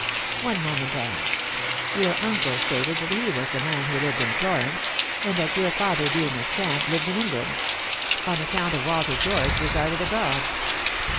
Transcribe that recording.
"One moment, Anne. Your uncle stated that he was the man who lived in Florence, and that your father being a scamp lived in England. On account of Walter George resided abroad."